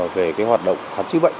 về hoạt động khám chứa bệnh